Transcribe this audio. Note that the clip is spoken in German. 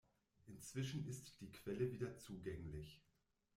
Inzwischen ist die Quelle wieder zugänglich.